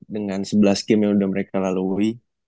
dengan sebelas game yang sudah mereka lalui